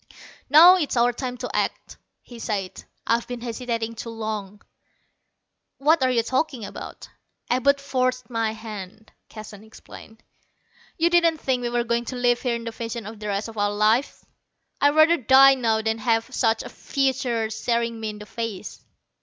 "Now is our time to act," he said. "I've been hesitating too long." "What are you talking about?" "Abud forced my hand," Keston explained. "You didn't think we were going to live here in this fashion the rest of our lives? I'd rather die now than have such a future staring me in the face.